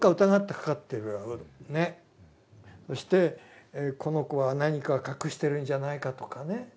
そしてこの子は何か隠してるんじゃないかとかね。